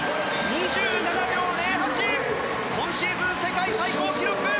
２７秒０８で今シーズン、世界最高記録！